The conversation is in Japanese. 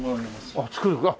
あっ作る。